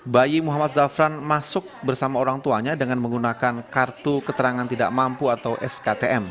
bayi muhammad zafran masuk bersama orang tuanya dengan menggunakan kartu keterangan tidak mampu atau sktm